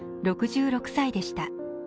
６６歳でした。